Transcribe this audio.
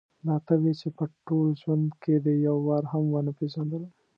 دا ته وې چې په ټول ژوند کې دې یو وار هم ونه پېژندلم.